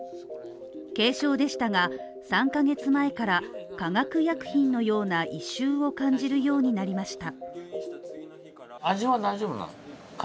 軽症でしたが、３カ月前から化学薬品のような異臭を感じるようになりました。